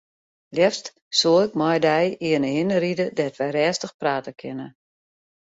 Leafst soe ik mei dy earne hinne ride dêr't wy rêstich prate kinne.